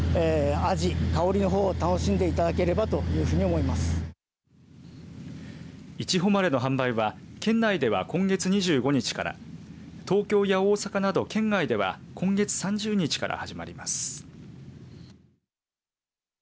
いちほまれの販売は県内では今月２５日から東京や大阪など県外では今月３０日から始まります。